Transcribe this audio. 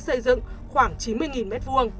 xây dựng khoảng chín mươi m hai